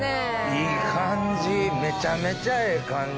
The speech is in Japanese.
いい感じめちゃめちゃええ感じ。